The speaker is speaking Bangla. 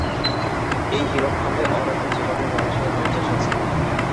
এই হীরকখন্ডে অনন্ত জীবনের জলাশয়ের নির্যাস আছে!